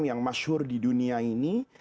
yang masyur di dunia ini